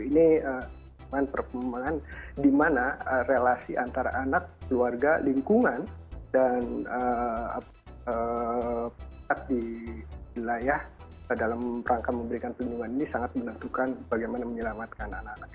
ini perkembangan di mana relasi antara anak keluarga lingkungan dan di wilayah dalam rangka memberikan perlindungan ini sangat menentukan bagaimana menyelamatkan anak anak